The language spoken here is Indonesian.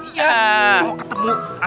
iya mau ketemu